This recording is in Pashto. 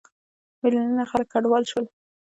میلیونونه خلک کډوال شول.